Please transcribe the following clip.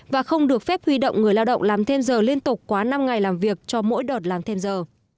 và không được phép huy động người lao động làm thêm giờ liên tục quá năm ngày làm việc cho mỗi đợt làm thêm giờ